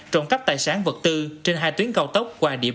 trộn cắp tài sản vật tư trên hai tuyến cao tốc